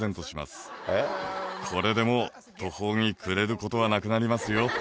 これでもう途方に暮れることはなくなりますよ。